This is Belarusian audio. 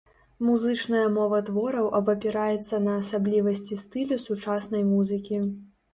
Музычная мова твораў абапіраецца на асаблівасці стылю сучаснай музыкі.